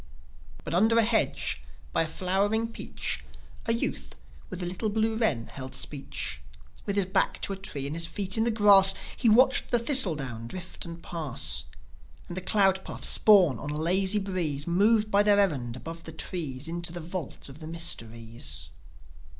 But, under a hedge, by a flowering peach, A youth with a little blue wren held speech. With his back to a tree and his feet in the grass, He watched the thistle down drift and pass, And the cloud puffs, borne on a lazy breeze, Move by on their errand, above the trees, Into the vault of the mysteries.